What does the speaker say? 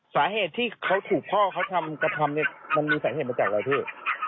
สาเหตุที่เขาถูกพ่อเขาทำกระทำเนี่ยมันมีสาเหตุมาจากอะไรพี่